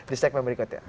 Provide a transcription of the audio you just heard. di segmen berikutnya